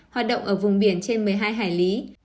hoạt động ở vùng biển trên một mươi hai hải lý